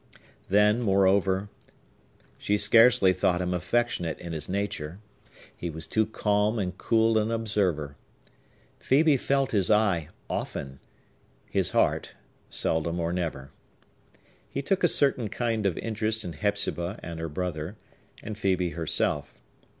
Then, moreover, she scarcely thought him affectionate in his nature. He was too calm and cool an observer. Phœbe felt his eye, often; his heart, seldom or never. He took a certain kind of interest in Hepzibah and her brother, and Phœbe herself.